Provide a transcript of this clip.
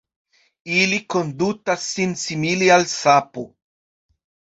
Ili kondutas sin simile al sapo.